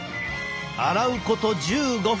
洗うこと１５分。